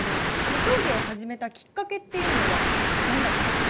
競技を始めたきっかけというのは何だったんですか？